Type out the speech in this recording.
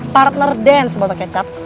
partner dance botol kecap